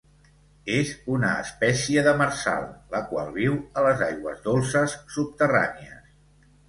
És una espècie demersal, la qual viu a les aigües dolces subterrànies.